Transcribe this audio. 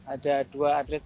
ada dua atlet